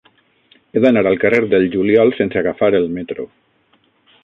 He d'anar al carrer del Juliol sense agafar el metro.